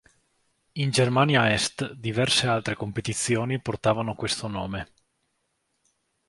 In Germania Est diverse altre competizioni portavano questo nome.